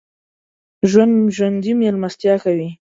ژوندي مېلمستیا کوي